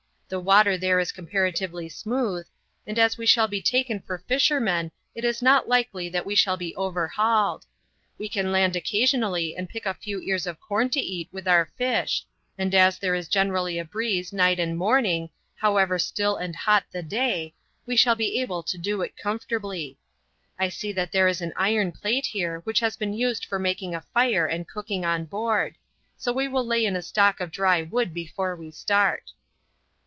The water there is comparatively smooth, and as we shall be taken for fishermen it is not likely that we shall be overhauled. We can land occasionally and pick a few ears of corn to eat with our fish, and as there is generally a breeze night and morning, however still and hot the day, we shall be able to do it comfortably. I see that there is an iron plate here which has been used for making a fire and cooking on board, so we will lay in a stock of dry wood before we start."